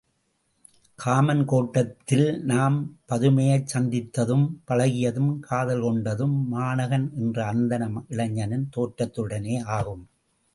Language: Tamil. காமன் கோட்டத்தில் நாம் பதுமையைச் சந்தித்ததும், பழகியதும், காதல் கொண்டதும் மாணகன் என்ற அந்தண இளைஞனின் தோற்றத்துடனே ஆகும்!